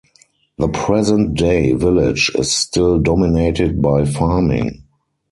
The present day village is still dominated by farming.